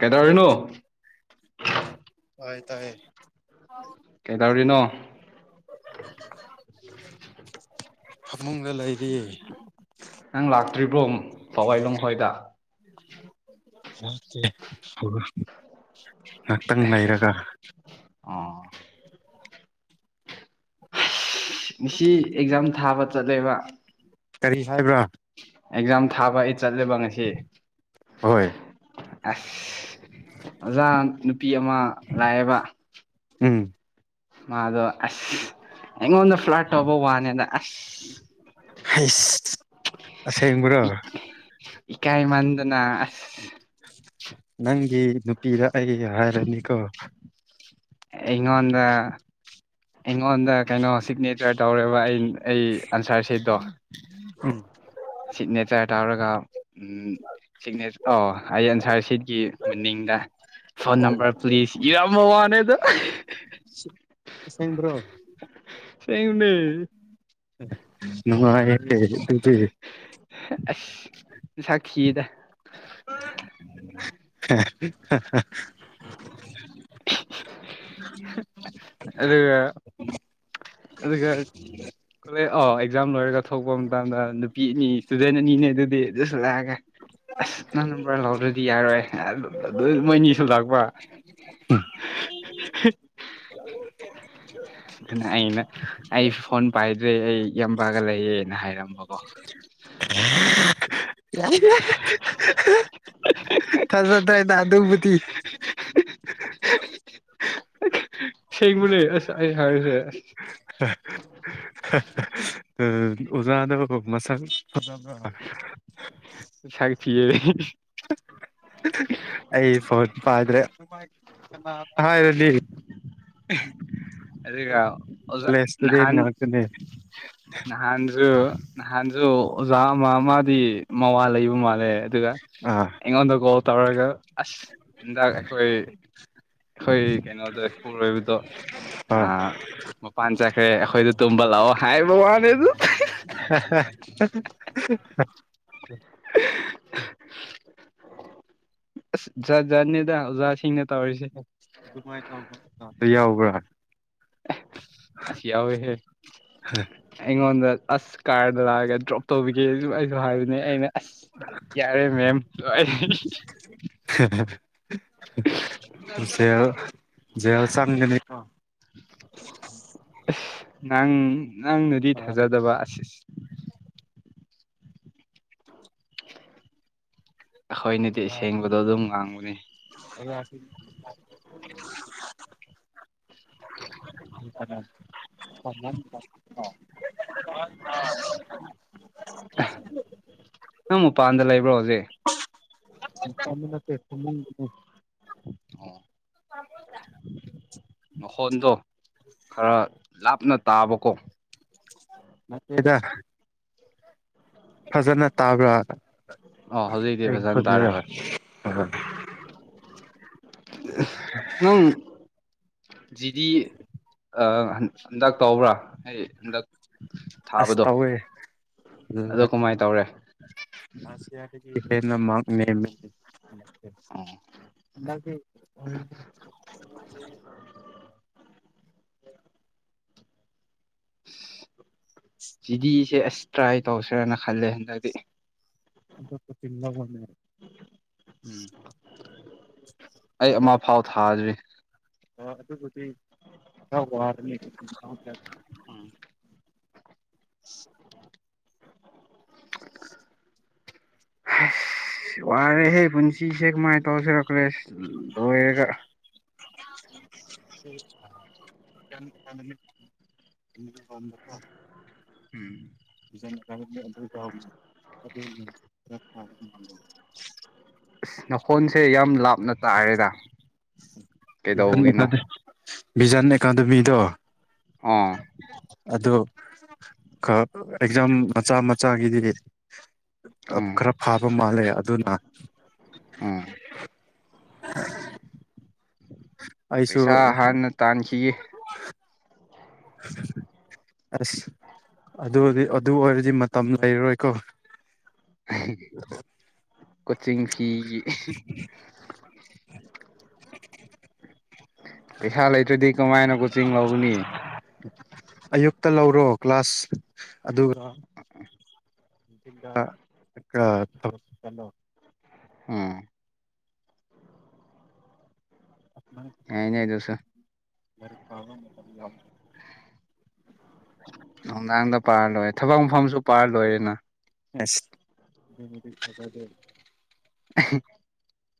ꯀꯩꯗꯔꯤꯅꯣ ꯍ ꯇꯥꯏ ꯀꯩꯗꯧꯔꯤꯅꯣ ꯐꯃꯨꯡꯗ ꯂꯩꯔꯤ ꯅꯪ ꯂꯥꯛꯇ꯭ꯔꯤꯕ꯭ꯔꯣꯝ ꯄꯋꯥꯏ ꯂꯝꯣꯡꯈꯣꯏꯗ ꯉꯍꯥꯛꯇꯪ ꯂꯩꯔꯒ ꯑꯥ ꯉꯁꯤ ꯑꯦꯛꯖꯥꯝ ꯊꯥꯕ ꯆꯠꯂꯦꯕ ꯀꯔꯤ ꯍꯥꯏꯕ꯭ꯔ ꯑꯦꯛꯖꯥꯝ ꯊꯥꯕ ꯑꯩ ꯆꯠꯂꯦꯕ ꯉꯁꯤ ꯍꯣꯏ ꯑꯁ ꯑꯣꯖꯥ ꯅꯨꯄꯤ ꯑꯃ ꯂꯥꯛꯑꯕ ꯎꯝ ꯃꯥꯗꯣ ꯑꯁ ꯑꯩꯉꯣꯟꯗ ꯐ꯭ꯂꯥꯠ ꯇꯧꯕ ꯋꯥꯅꯦꯗ ꯑꯁ ꯍ ꯏ ꯏꯀꯥꯏ ꯏꯃꯥꯟꯗꯅ ꯑꯁ ꯅꯪꯒꯤ ꯅꯨꯄꯤꯗ ꯑꯩꯒꯤ ꯍꯥꯏꯔꯅꯤꯀꯣ ꯏꯉꯣꯗ ꯑꯩꯉꯣꯟꯗ ꯀꯩꯅꯣ ꯁꯤꯒꯅꯦꯆꯔ ꯇꯧꯔꯦꯕ ꯑꯩ ꯑꯩ ꯑꯟꯁꯥꯔꯁꯤꯗꯣ ꯑ ꯁꯤꯛꯅꯦꯆꯔ ꯇꯧꯔꯒ ꯎ ꯁꯤꯅꯦ ꯑꯣ ꯑꯩ ꯑꯟꯁꯥꯔ ꯁꯤ ꯀ ꯃꯅꯤꯡꯗ ꯐꯣꯟ ꯎꯝ ꯅꯝꯕꯔ ꯄ꯭ꯂꯤꯁ ꯌꯥꯝ ꯃ ꯋꯥꯅꯦ ꯑꯗꯣ ꯁꯦꯡꯕ꯭ꯔꯣ ꯁꯅꯦ [unintelligible] ꯑꯁꯁꯥꯈꯤꯌꯦꯗ [unintelligible] ꯑꯗꯨ ꯑꯗꯨꯒ ꯀꯣꯂꯦ ꯑ ꯑꯦꯛꯖꯥꯝ ꯂꯣꯏꯔꯒ ꯊꯣꯛꯄ ꯃꯇꯝꯗ ꯅꯨꯄꯤ ꯑꯅꯤ ꯏꯁꯇꯨꯗꯦꯟ ꯑꯅꯤꯅꯦ ꯑꯗꯨꯗꯤ ꯑꯗꯨꯁꯨ ꯂꯥꯛꯑꯒꯦ ꯑꯁ ꯅꯪ ꯅꯝꯕꯔ ꯂꯧꯥꯎꯗ꯭ꯔꯗꯤ ꯌꯥꯔꯣꯏ ꯑꯗꯨ ꯃꯣꯏꯅꯤꯁꯨ ꯂꯥꯛꯄ ꯑ [unintelligible] ꯑꯗꯨꯅ ꯑꯩꯅ ꯑꯩꯁꯨ ꯐꯣꯟ ꯄꯥꯏꯗ꯭ꯔꯦ ꯑꯩ ꯌꯥꯝꯄꯥꯛꯒ ꯂꯩꯌꯦꯅ ꯍꯥꯏꯔꯝꯕꯀꯣ [unintelligible] ꯌꯥꯏ ꯐꯖꯗꯅ ꯑꯗꯨꯕꯨꯗꯤ ꯁꯦꯡꯕꯨ ꯑꯁ ꯑꯩ ꯍꯥꯏꯔꯁꯦ ꯑꯣꯖꯥꯗꯣ ꯃꯁꯛ ꯐꯖꯕꯔ ꯁꯊꯤꯌꯦ ꯑꯩ ꯐꯣꯟ ꯄꯥꯏꯗ꯭ꯔꯦ ꯍꯥꯏꯕꯗꯤ ꯑꯗꯨꯒ ꯑꯣꯖꯥ ꯀꯣꯂꯦꯖ ꯏꯁꯇꯨꯗꯦꯟ ꯅꯍꯥꯟ ꯉꯥꯛꯇꯅꯦ ꯅꯍꯥꯟꯁꯨ ꯅꯍꯥꯟꯁꯨ ꯑꯣꯖꯥ ꯑꯃꯥ ꯃꯥꯗꯤ ꯃꯋꯥ ꯂꯩꯕ ꯃꯥꯜꯂꯦ ꯑꯗꯨꯒ ꯑꯥ ꯑꯩꯉꯣꯟꯗ ꯀꯣꯜ ꯇꯧꯔꯒ ꯑꯁ ꯍꯟꯗꯛ ꯑꯩꯈꯣꯏ [unintelligible] ꯍꯣꯏ ꯀꯩꯅꯣꯗꯣ ꯏꯄꯨꯔꯣꯏꯕꯗꯣ ꯑ ꯍꯣꯏ ꯃꯄꯥꯟ ꯆꯠꯈ꯭ꯔꯦ ꯑꯩꯈꯣꯏꯗ ꯇꯨꯝꯕ ꯂꯥꯛꯑꯣ ꯍꯥꯏꯕ ꯋꯥꯅꯦꯗ [unintelligible] [unintelligible] ꯖꯥꯠ ꯖꯥꯠꯅꯦꯗ ꯑꯣꯖꯥꯁꯤꯡꯅ ꯇꯧꯔꯤꯁꯤ ꯑꯗꯨꯃꯥꯏꯅ ꯇꯧꯕꯗꯣ ꯌꯥꯎꯕ꯭ꯔꯥ ꯑꯁ ꯌꯥꯎꯑꯦꯍꯦ ꯑꯩꯉꯣꯟꯗ ꯑꯁ ꯀꯥꯔꯗ ꯂꯒꯦ ꯗ꯭ꯔꯣꯞ ꯇꯧꯕꯤꯒꯦꯁꯨ ꯑꯩꯁꯨ ꯍꯥꯏꯕꯅꯦ ꯑꯩꯅ ꯑꯁ ꯌꯥꯔꯦ ꯃꯦꯝ ꯑꯩ ꯖꯦꯜ ꯖꯦꯜ ꯆꯒꯅꯤ ꯀꯣ ꯑꯁ ꯅꯪ ꯅꯪꯅꯗꯤ ꯊꯥꯖꯗꯕ ꯑꯁꯤꯁꯤ ꯑꯩꯈꯣꯏꯅꯗꯤ ꯑꯁꯦꯡꯕꯗꯣ ꯑꯗꯨꯝ ꯉꯥꯡꯕꯅꯤ ꯑꯩꯅ [unintelligible] ꯅꯪ ꯃꯄꯥꯟꯗ ꯂꯩꯕ꯭ꯔꯣ ꯍꯧꯖꯤꯛ ꯃꯄꯥꯟꯗ ꯅꯠꯇꯦ ꯐꯃꯨꯡꯗꯅꯦ ꯑꯣ ꯃꯈꯣꯟꯗꯣ ꯈꯔ ꯂꯥꯞꯅ ꯇꯥꯕꯀꯣ ꯅꯠꯇꯦꯗ ꯐꯖꯅ ꯇꯥꯕ꯭ꯔꯥ ꯑꯣ ꯍꯧꯖꯤꯛꯇꯤ ꯑꯩ ꯐꯖꯅ ꯇꯥꯔꯦ ꯈꯣꯟꯖꯦꯜ ꯍꯣꯏ ꯅꯪ ꯖꯤꯗꯤ ꯍꯟꯗꯛ ꯇꯧꯕ꯭ꯔꯥ ꯑꯩ ꯍꯟꯗꯛ ꯑꯁ ꯊꯥꯕꯗꯣ ꯇꯧꯋꯦ ꯑꯗꯣ ꯀꯃꯥꯏꯅ ꯇꯧꯔꯦ ꯂꯥꯁ ꯏꯌꯥꯔꯗꯒꯤ ꯃꯥꯔꯛ ꯅꯦꯝꯃꯦ ꯑꯣ ꯎꯝ ꯖꯤꯗꯤꯁꯦ ꯑꯁ ꯇ꯭ꯔꯥꯏ ꯇꯧꯁꯤꯔꯅ ꯈꯜꯂꯦ ꯍꯟꯗꯛꯇꯤ ꯑ ꯆꯤꯟꯅꯒꯅꯦ ꯎꯝ ꯑꯩ ꯑꯃ ꯐꯥꯎ ꯊꯥꯗ꯭ꯔꯤ ꯍ ꯑꯗꯨꯕꯨꯗꯤ ꯈꯔ ꯋꯥꯔꯅꯤ ꯎꯝ [unintelligible] [unintelligible] ꯑꯁ ꯋꯥꯔꯦꯍꯦ ꯄꯨꯟꯁꯤꯁꯦ ꯀꯃꯥꯏ ꯇꯧꯁꯤꯔ ꯀꯣꯂꯦꯖ ꯂꯣꯏꯔꯒ [unintelligible] ꯑꯣ ꯎꯝ ꯎꯝ ꯎꯝ ꯅꯈꯣꯟꯁꯦ ꯌꯥꯝ ꯂꯥꯞꯅ ꯇꯥꯏꯌꯦꯗ ꯕꯤꯖꯟ ꯑꯦꯀ ꯕꯤꯖꯟ ꯑꯦꯀꯥꯗꯃꯤꯗꯣ ꯑꯥ ꯑꯗꯨ ꯑꯦꯛꯖꯥꯝ ꯃꯆꯥ ꯃꯆꯥꯒꯤꯗꯤ ꯎꯝ ꯈꯔ ꯐꯥꯕ ꯃꯥꯜꯂꯦ ꯑꯗꯨꯅ ꯎꯝ ꯎ ꯑꯩꯁꯨ ꯄꯩꯁꯥ ꯍꯥꯟꯅ [unintelligible] [unintelligible] ꯑꯁ ꯑꯗꯨꯗꯤ ꯑꯗꯨ ꯑꯣꯏꯔꯗꯤ ꯃꯇꯝ ꯂꯩꯔꯣꯏꯀꯣ [unintelligible] ꯀꯣꯆꯤꯡ ꯐꯤ [unintelligible] ꯄꯩꯁꯥ ꯂꯩꯇ꯭ꯔꯗꯤ ꯀꯃꯥꯏꯅ ꯀꯣꯆꯤꯡ ꯂꯧꯅꯤ ꯑ ꯑꯌꯨꯛꯇ ꯂꯧꯔꯣ ꯀ꯭ꯂꯥꯁ ꯑꯗꯨꯒ ꯊꯣ ꯎꯝ ꯃ ꯌꯥꯏꯅꯦ ꯑꯗꯨꯁꯨ ꯃꯔꯤ ꯀꯥ ꯀ ꯌꯥ ꯅꯨꯡꯗꯥꯡꯗ ꯄꯥꯔ ꯂꯣꯏꯔꯦ ꯊꯕꯛ ꯃꯐꯝꯁꯨ ꯄꯥꯔ ꯂꯣꯏꯔꯦꯅ ꯑꯁꯖꯗ [unintelligible]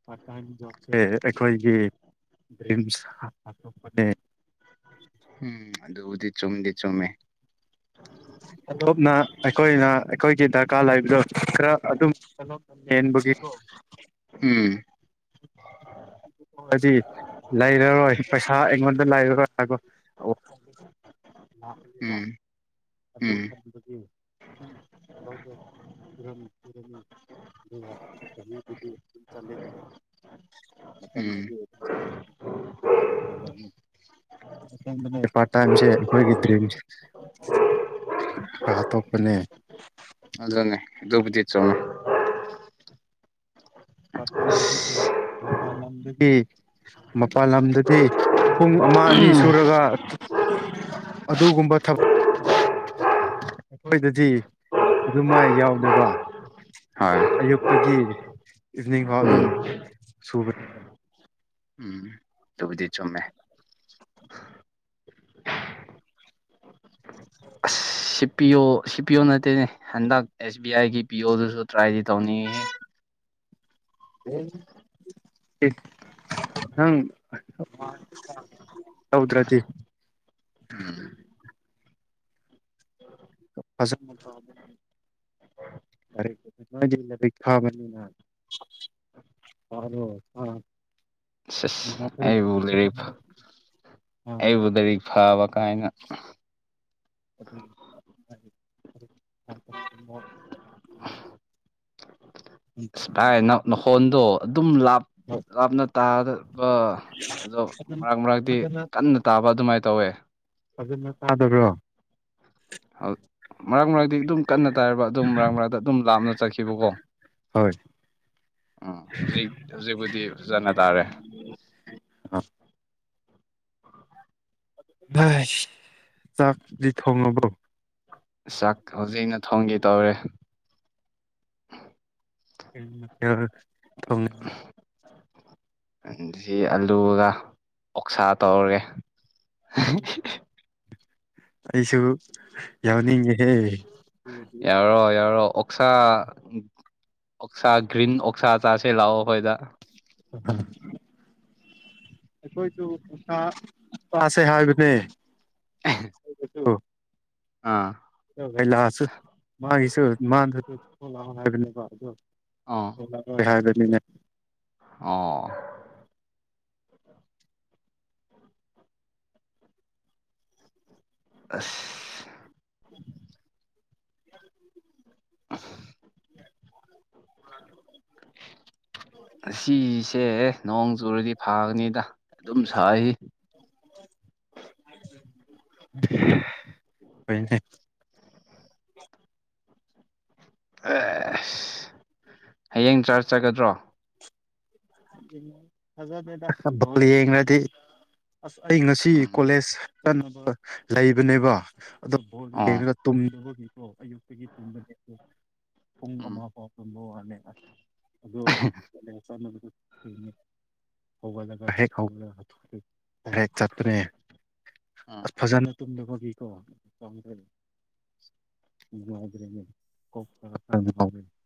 ꯄꯥꯔꯠ ꯇꯥꯏꯝ ꯖꯣꯕꯁꯦ ꯑꯩꯈꯣꯏꯒꯤ ꯗ꯭ꯔꯤꯝꯁ ꯍꯥꯊꯣꯛꯄꯅꯦ ꯎꯝ ꯑꯗꯨꯕꯨꯗꯤ ꯆꯨꯝꯗꯤ ꯆꯨꯝꯃꯦ ꯑꯗꯣꯞꯅ ꯑꯩꯈꯣꯏꯅ ꯑꯩꯈꯣꯏꯒꯤ ꯗꯔꯀꯥꯔ ꯂꯩꯕꯗ ꯈꯔ ꯑꯗꯨꯝ ꯌꯦꯕꯒꯤ ꯎꯝ ꯗꯤ ꯂꯩꯔꯔꯣꯏ ꯄꯩꯁꯥ ꯑꯩꯉꯣꯟꯗ ꯂꯩꯔꯔꯣꯏ ꯂꯥꯛꯜꯂꯤꯕ ꯎꯝ ꯑꯗꯨ ꯎꯝ ꯈꯟꯕꯒꯤ ꯎꯝꯥꯎꯔꯝꯔ ꯑꯗꯨꯒ ꯆꯍꯤꯗꯨꯗꯤ ꯑꯗꯨꯝ ꯆꯠꯂꯦꯗꯅ ꯎꯝ ꯃꯇꯝꯝ ꯆꯂ ꯄꯥ ꯇꯥꯏꯝꯁꯦ ꯍꯒꯗ꯭ꯔꯔꯤ ꯀ ꯍꯥꯇꯣꯄꯅꯦ ꯑꯗꯨꯅꯦ ꯗꯨꯕꯨꯗꯤ ꯆꯣꯅ ꯄ ꯍꯥꯏꯦ ꯃꯄꯥꯟ ꯂꯝꯗꯨꯗꯤ ꯃꯄꯥꯜ ꯂꯝꯗꯗꯤ ꯄꯨꯡ ꯑꯃ ꯑꯅꯤ ꯁꯨꯔꯒ ꯑꯗꯨꯒꯨꯝꯕ ꯊꯕꯛꯎ ꯑꯩꯈꯣꯏꯗꯗꯤ ꯑꯗꯨꯃꯥꯏ ꯌꯥꯎꯗꯦꯀꯣ ꯍꯣꯏ ꯑꯌꯨꯛꯇꯒꯤ ꯏꯚꯅꯤꯡꯐꯥꯎ ꯎꯝ ꯑꯗꯨꯝ ꯁꯨꯈ꯭ꯔꯦꯝ ꯎꯝ ꯇꯕꯨꯗꯤ ꯆꯨꯝꯃꯦ ꯑꯁ ꯁꯤ ꯄꯤꯌ ꯁꯤ ꯄꯤꯌ ꯑꯣ ꯅꯠꯇꯦꯅꯦ ꯍꯟꯗꯛ ꯑꯦꯁ ꯕꯤ ꯑꯥꯏꯒꯤ ꯄꯤ ꯑꯣꯗꯨꯁꯨ ꯇ꯭ꯔꯥꯏꯗꯤ ꯇꯧꯅꯤꯡꯉꯤꯦ [inaudible] [unintelligible] [inaudible] ꯍꯧꯗ꯭ꯔꯗꯤ ꯎꯝ ꯐꯁꯊ ꯑꯔꯦ ꯈꯥꯅꯤ ꯍ ꯑ ꯁꯁ ꯑꯩꯕꯨ ꯂꯥꯏꯔꯤꯛ ꯑꯩꯕꯨ ꯂꯥꯏꯔꯤꯛ ꯐꯕ ꯀꯥꯏꯅ ꯑꯗꯨꯝ ꯎꯝ ꯎꯝ ꯑꯁ ꯚꯥꯏ ꯅꯈꯣꯟꯗꯣ ꯑꯗꯨꯝ ꯂꯥꯞ ꯂꯥꯞꯅ ꯇꯥꯗꯕ ꯑꯗꯣ ꯃꯔꯛ ꯃꯔꯛꯇꯤ ꯀꯟꯅ ꯇꯥꯕ ꯑꯗꯨꯃꯥꯏꯅ ꯇꯧꯋꯦ ꯐꯖꯅ ꯇꯥꯗꯕ꯭ꯔꯣ ꯃꯔꯛ ꯃꯔꯛꯇꯤ ꯑꯗꯨꯝ ꯀꯟꯅ ꯇꯥꯏꯕ ꯑꯗꯨꯝ ꯃꯔꯛ ꯃꯔꯛꯗ ꯑꯗꯨꯝ ꯂꯥꯞꯅ ꯆꯠꯈꯤꯕꯀꯣ ꯍꯣꯏ ꯎꯝ ꯍꯧꯖꯤꯛ ꯍꯧꯖꯤꯛꯄꯨꯗꯤ ꯐꯖꯅ ꯇꯥꯔꯦ [unintelligible] [unintelligible] ꯆꯥꯛꯗꯤ ꯊꯣꯡꯉꯕ꯭ꯔꯣ ꯆꯥꯛ ꯍꯧꯖꯤꯛ ꯅ ꯊꯣꯡꯒꯦ ꯇꯧꯔꯦ ꯀꯔꯤ ꯃꯊꯦꯜ ꯊꯣꯡ [unintelligible] [unintelligible] ꯑꯂꯨꯒ ꯑꯣꯛꯁꯥ ꯇꯧꯔꯒꯦ ꯑꯩꯁꯨ ꯌꯥꯎꯅꯤꯡꯉꯦꯍꯦ ꯌꯥꯎꯔꯣ ꯌꯥꯎꯔꯣ ꯑꯣꯛꯁꯥ ꯑꯣꯛꯁꯥ ꯒ꯭ꯔꯤꯟ ꯑꯣꯛꯁꯥ ꯆꯥꯁꯦ ꯂꯥꯛꯑꯣ ꯑꯩꯈꯣꯏꯗ [unintelligible] ꯑꯩꯈꯣꯏꯁꯨ [unintelligible] ꯆꯥꯁꯦ ꯍꯥꯏꯕꯅꯦ [unintelligible] ꯑꯩꯒꯤꯁꯨ ꯑꯥ [unintelligible] ꯍꯥꯏꯕꯅꯦꯕ ꯑꯗꯨ ꯑꯥ [unintelligible] ꯑꯣ ꯑꯁ [unintelligible] [unintelligible] [unintelligible] ꯑꯁꯤꯁꯦ ꯅꯣꯡ ꯆꯨꯔꯗꯤ ꯐꯥꯒꯅꯤꯗ ꯑꯗꯨꯝ ꯁꯥꯏ [unintelligible] ꯑꯦꯁ ꯍꯌꯦꯡ ꯆꯥꯔꯁ ꯆꯠꯀꯗ꯭ꯔꯣ [unintelligible] ꯑꯁ ꯑꯩ ꯉꯁꯤ ꯎꯝ ꯀꯣꯂꯦꯖ ꯆꯠꯅꯕ ꯂꯩꯕꯅꯦꯕ ꯑꯗꯣ ꯕꯣꯜ ꯑꯣ ꯌꯦꯡꯉꯒ ꯇꯨꯝꯗꯕꯒꯤꯀꯣ ꯑꯌꯨꯛꯇꯒꯤ ꯇꯨꯝꯕꯅꯦ ꯄꯨꯡ ꯎꯝ ꯑꯃ ꯐꯥꯎ [unintelligible] [unintelligible] ꯆꯠꯇ꯭ꯔꯦ ꯎꯝ ꯑꯁ ꯐꯖꯅ ꯇꯨꯝꯗꯕꯒꯤꯀꯣ [unintelligible] [unintelligible]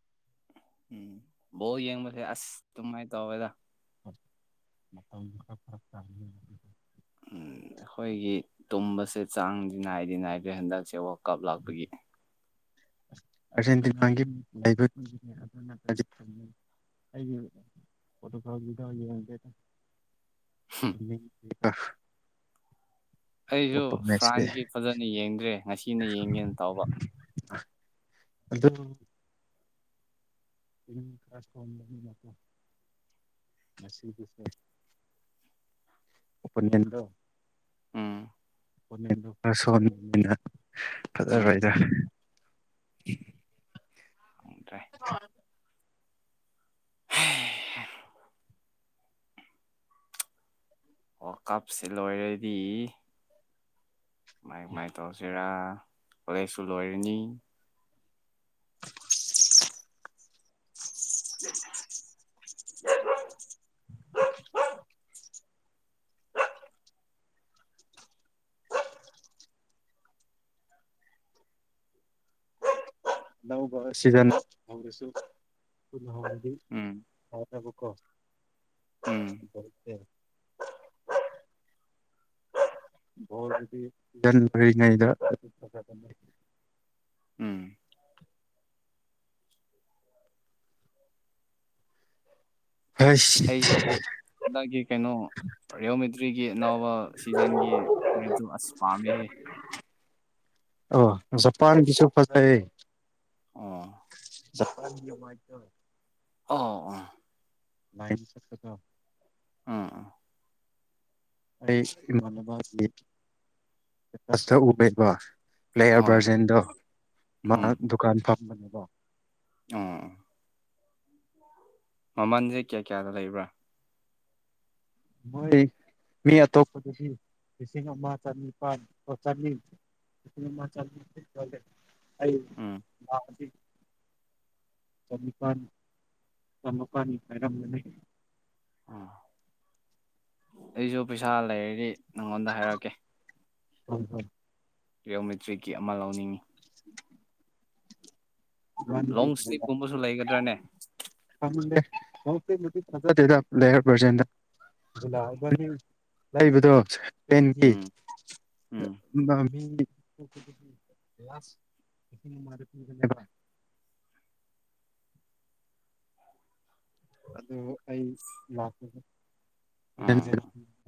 ꯎꯝ ꯕꯣꯜ ꯌꯦꯡꯕꯁꯦ ꯑꯁ ꯑꯗꯨꯨꯃꯥꯏꯅ ꯇꯧꯋꯦꯗ [unintelligible] ꯑꯝ ꯑꯩꯈꯣꯏꯒꯤ ꯇꯨꯝꯕꯁꯦ ꯆꯥꯡꯗꯤ ꯅꯥꯏꯗꯤ ꯅꯥꯏꯗ꯭ꯔꯦ ꯍꯟꯗꯛꯁꯦ ꯋꯥꯜꯀꯞ ꯂꯥꯛꯄꯒꯤ ꯑꯥꯔꯖꯦꯟꯇꯤꯅꯥꯒꯤ [unintelligible] ꯑꯩꯗꯤ [unintelligible] [unintelligible] ꯑꯩꯁꯨ ꯑꯇꯣꯞꯄ ꯃꯦꯠꯁꯇꯤ ꯐ꯭ꯔꯥꯟꯁꯀꯤ ꯐꯖꯅ ꯌꯦꯡꯗ꯭ꯔꯦ ꯉꯁꯤꯅ ꯌꯦꯡꯒꯦꯅ ꯇꯧꯕ ꯑꯗꯨ [unintelligible] [unintelligible] ꯎꯝ [unintelligible] ꯈꯔ ꯁꯣꯟꯕꯅꯤꯅ ꯎꯝ ꯐꯖꯔꯣꯏꯗ ꯈꯪꯗ꯭ꯔꯦ [unintelligible] ꯋꯥꯔꯜ ꯀꯞꯁꯤ ꯂꯣꯏꯔꯗꯤ ꯃꯥꯏ ꯃꯥꯏ ꯇꯧꯁꯤꯔꯥ ꯀꯣꯂꯦꯖꯁꯨ ꯂꯣꯏꯔꯅꯤ [unintelligible] ꯑꯅꯧꯕ ꯁꯤꯖꯟ ꯍꯧꯔꯁꯨ ꯍꯧꯔꯗꯤ ꯎꯝ ꯍꯥꯏꯅꯕꯀꯣꯣ ꯎꯝ ꯣꯗꯤꯟ ꯑꯣꯏꯔꯤꯉꯩꯗ ꯎꯝ [unintelligible] ꯑꯗꯨꯗꯒꯤ ꯀꯩꯅꯣ ꯔꯤꯌꯣꯃꯤꯇ꯭ꯔꯤꯒꯤ ꯑꯅꯧꯕ ꯁꯤꯖꯟꯒꯤ ꯔꯤꯗꯨꯨ ꯑꯁ ꯄꯥꯝꯃꯤꯍ ꯑꯣ ꯆꯄꯥꯟꯒꯤꯁꯨ ꯐꯖꯩꯌꯦ ꯑꯣ ꯆꯄꯥꯥꯏꯇ ꯑꯣ ꯑꯣ ꯂꯕꯤ ꯁꯛꯛꯇ ꯀꯣ ꯑꯥ ꯑ ꯑ ꯏꯃꯥꯅꯕꯁꯤ ꯂꯩ ꯁꯇ ꯎꯕꯩꯕ ꯄ꯭ꯂꯦꯌꯔ ꯍꯣꯏ ꯚꯔꯖꯦꯟꯗꯣ ꯃꯥ ꯗꯨꯀꯥꯟ ꯐꯝꯕꯅꯦꯕꯣ ꯎꯥ ꯃꯃꯟꯁꯦ ꯀꯌꯥ ꯀꯌꯥꯗ ꯂꯩꯕ꯭ꯔꯥ ꯃꯣꯏ ꯃꯤ ꯑꯇꯣꯞꯄꯗꯤ ꯂꯤꯁꯤꯡ ꯑꯃ ꯆꯅꯤꯄꯥꯥꯟ ꯆꯅꯤ ꯅꯦꯃ ꯆ ꯑꯩ ꯎꯝ ꯆꯨꯀ ꯆꯃꯨꯀꯅꯤ ꯍꯥꯏꯔꯝꯅꯦ ꯎꯝ ꯑꯩꯁꯨ ꯄꯩꯁꯥ ꯂꯩꯔꯗꯤ ꯅꯪꯉꯣꯟꯗ ꯍꯥꯏꯔꯛꯀꯦ ꯎꯝ ꯍꯝ ꯔꯤꯌꯣꯃꯤꯇ꯭ꯔꯤꯛꯀꯤ ꯑꯃ ꯂꯧꯅꯤꯡꯏ [inaudible] ꯂꯣꯡ ꯁ꯭ꯂꯤꯞꯀꯨꯝꯕꯁꯨ ꯂꯩꯒꯗ꯭ꯔꯥꯅꯦ ꯦ꯭ꯂꯦꯌꯔ ꯄ꯭ꯔꯖꯦꯟ ꯂꯅꯤ ꯂꯩꯕꯗꯣꯟꯒꯤ ꯎꯝ ꯎꯝ [unintelligible] ꯑꯗꯣ ꯑꯩ ꯂ ꯎꯝ